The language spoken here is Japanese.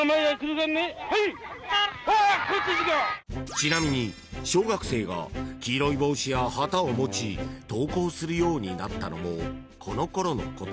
［ちなみに小学生が黄色い帽子や旗を持ち登校するようになったのもこのころのこと］